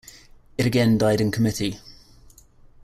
It again died in committee.